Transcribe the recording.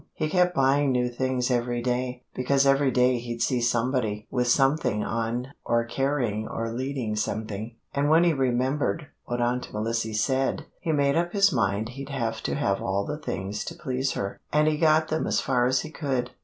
He kept buying new things every day, because every day he'd see somebody with something on or carrying or leading something, and when he remembered what Aunt Melissy said, he made up his mind he'd have to have all the things to please her, and he got them as far as he could.